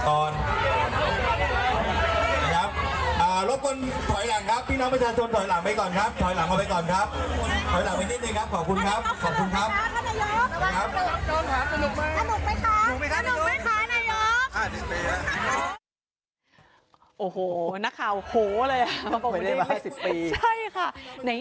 โอ้โหนักข่าวโหเลยไม่ได้มาห้าสิบปี